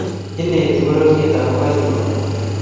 ineti bororiet akobo itondo